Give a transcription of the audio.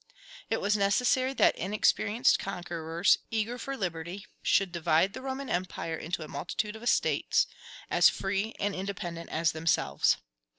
It was necessary that inexperienced conquerors, eager for liberty, should divide the Roman Empire into a multitude of estates, as free and independent as themselves.